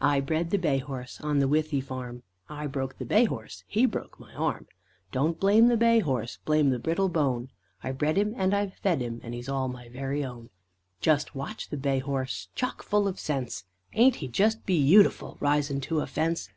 I bred the bay horse On the Withy Farm. I broke the bay horse, He broke my arm. Don't blame the bay horse, Blame the brittle bone, I bred him and I've fed him, And he's all my very own. Just watch the bay horse Chock full of sense! Ain't he just beautiful, Risin' to a fence!